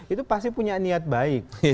itu pasti punya niat baik